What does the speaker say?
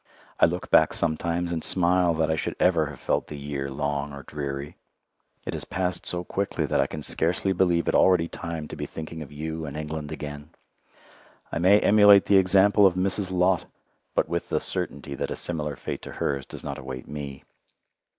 I look back sometimes and smile that I should ever have felt the year long or dreary; it has passed so quickly that I can scarcely believe it already time to be thinking of you and England again. I may emulate the example of Mrs. Lot, but with the certainty that a similar fate to hers does not await me.